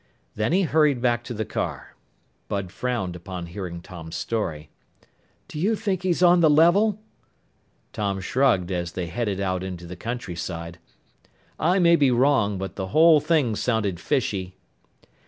Then he hurried back to the car. Bud frowned upon hearing Tom's story. "Do you think he's on the level?" Tom shrugged as they headed out into the countryside. "I may be wrong, but the whole thing sounded fishy."